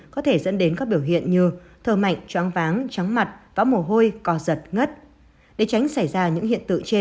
có thể dẫn đến các biểu hiện như thờ mạnh tróng váng trắng mặt vã mồ hôi